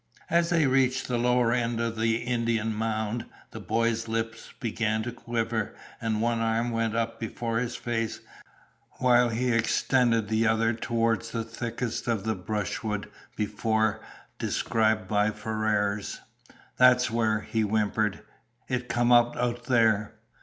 As they reached the lower end of the Indian Mound, the boy's lips began to quiver and one arm went up before his face, while he extended the other toward the thickest of brushwood before described by Ferrars. "That's where," he whimpered. "It comed up out there."